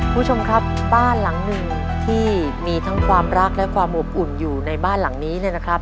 คุณผู้ชมครับบ้านหลังหนึ่งที่มีทั้งความรักและความอบอุ่นอยู่ในบ้านหลังนี้เนี่ยนะครับ